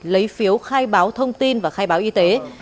lấy phiếu khai báo thông tin và khai báo y tế